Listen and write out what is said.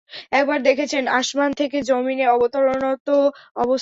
একবার দেখেছেন আসমান থেকে যমীনে অবতরণরত অবস্থায়।